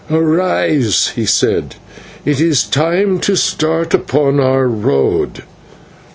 "Arise," he said; "it is time to start upon our road."